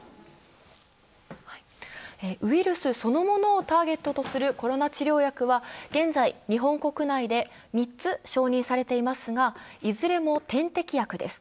ウイルスそのものをターゲットとするコロナ治療薬は現在、日本国内で３つ承認されていますが、いずれも点滴薬です。